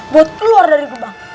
buat keluar dari gerbang